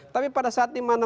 tapi pada saat ini